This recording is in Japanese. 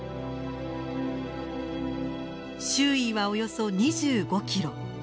周囲はおよそ２５キロ。